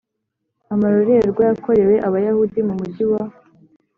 Amarorerwa yakorewe Abayahudi mu mujyi wa